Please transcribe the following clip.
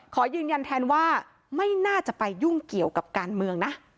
ขอยืนยันแทนว่าไม่น่าจะไปยุ่งเกี่ยวกับการเมืองนะ